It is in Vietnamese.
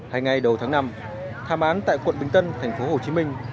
hay ngày đầu tháng năm tham án tại quận bình tân thành phố hồ chí minh